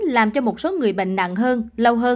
làm cho một số người bệnh nặng hơn lâu hơn